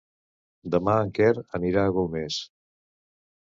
Demà en Quer anirà a Golmés.